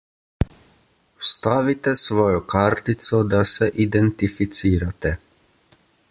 Vstavite svojo kartico, da se identificirate.